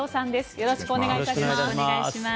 よろしくお願いします。